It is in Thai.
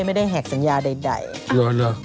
ไม่ได้แหกสัญญาใดนะว้าว